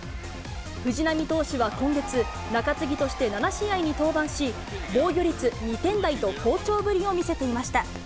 藤浪投手は今月、中継ぎとして７試合に登板し、防御率２点台と、好調ぶりを見せていました。